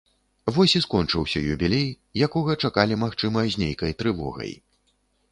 Вось і скончыўся юбілей, якога чакалі, магчыма, з нейкай трывогай.